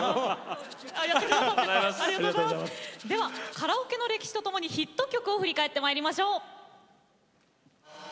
カラオケの歴史とともにヒット曲を振り返りましょう。